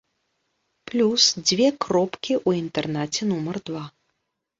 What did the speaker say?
Плюс дзве кропкі ў інтэрнаце нумар два.